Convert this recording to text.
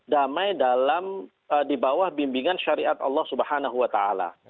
damai dalam di bawah bimbingan syariat allah subhanahu wa ta'ala